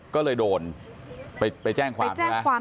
ก็เลยโดนไปแจ้งความใช่ไหม